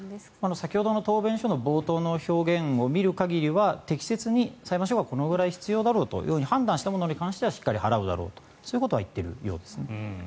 先ほどの答弁書の冒頭の表現を見る限りは適切に裁判所がこのぐらい必要だろうと判断したものに関してはしっかり払うだろうとそういうことは言っているようですね。